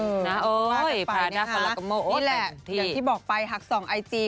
เออมากับไปนะคะนี่แหละอย่างที่บอกไปหักสองไอจี